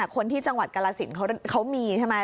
คนที่จังหวัดกรสินเขามีใช่ไหม